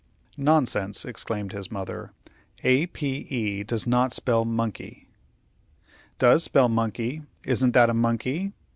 "Nonsense!" exclaimed his mother. "A p e does not spell monkey." "Does spell monkey! Isn't that a monkey?"